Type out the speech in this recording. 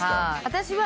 私は。